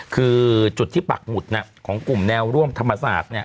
คือจุดที่ปักหมุดของกลุ่มแนวร่วมธรรมศาสตร์เนี่ย